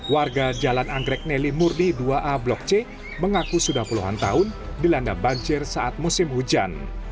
warga jalan anggrek neli murni dua a blok c mengaku sudah puluhan tahun dilanda banjir saat musim hujan